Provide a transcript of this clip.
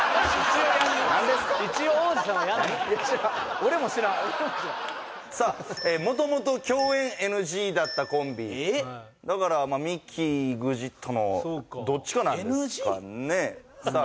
・俺も知らんさあ「もともと共演ＮＧだったコンビ」だからミキＥＸＩＴのどっちかなんですかねさあ